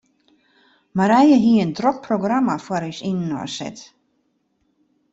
Marije hie in drok programma foar ús yninoar set.